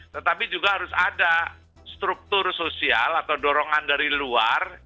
tetapi juga harus ada struktur sosial atau dorongan dari luar